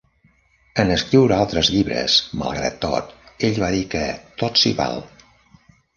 En escriure altres llibres, malgrat tot, ell diu que "Tot s'hi val".